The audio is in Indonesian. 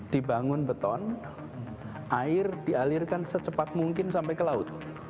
dibangun beton air dialirkan secepat mungkin sampai ke laut